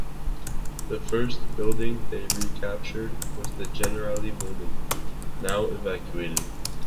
The first building they recaptured was the Generali Building, now evacuated.